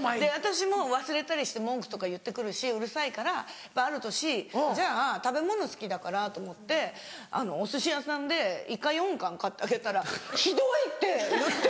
私も忘れたりして文句とか言って来るしうるさいからある年じゃあ食べ物好きだからと思ってお寿司屋さんでイカ４貫買ってあげたらひどい！って言って。